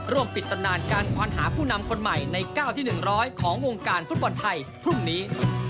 ปิดตำนานการควานหาผู้นำคนใหม่ใน๙ที่๑๐๐ของวงการฟุตบอลไทยพรุ่งนี้